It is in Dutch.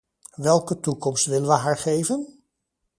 Welke toekomst willen we haar geven?